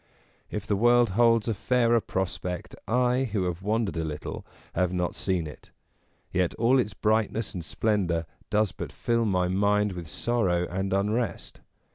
If the world holds a fairer prospect, I, who have wandered a little, have not seen it; yet all its brightness and splendour does but fill my mind with sorrow and unrest.